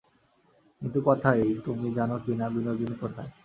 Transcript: কিন্তু কথা এই, তুমি জান কি না, বিনোদিনী কোথায়।